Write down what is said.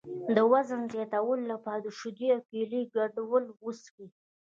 د وزن زیاتولو لپاره د شیدو او کیلې ګډول وڅښئ